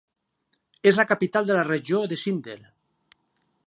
És la capital de la regió de Zinder.